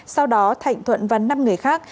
sau đó thạnh thuận và năm người khác